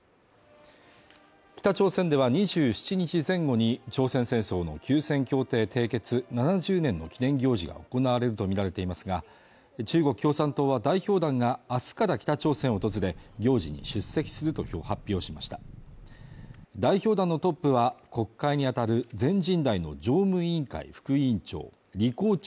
北朝鮮では２７日前後に朝鮮戦争の休戦協定締結７０年の記念行事が行われるとみられていますが中国共産党は代表団があすから北朝鮮を訪れ行事に出席すると発表しました代表団のトップは国会に当たる全人代の常務委員会副委員長李鴻忠